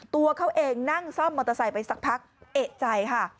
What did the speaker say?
ตัวเขาเองนั่งซ่อมมอเตอร์ไซค์ไปสักพักเอกใจค่ะ